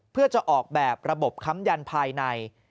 เพื่อจะออกแบบระบบค้ำยันภายใน